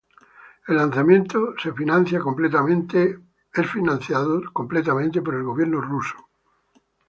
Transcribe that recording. El lanzamiento es financiado completamente por el gobierno ruso.